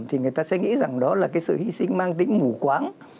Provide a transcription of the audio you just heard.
thì người ta sẽ nghĩ rằng đó là cái sự hy sinh mang tính mù quáng